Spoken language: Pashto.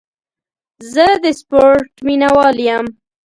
زه د سپورټ مینهوال یم.